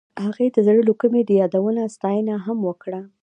هغې د زړه له کومې د یادونه ستاینه هم وکړه.